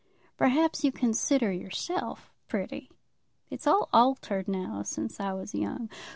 "Perhaps you consider yourself pretty. It's all altered now since I was young.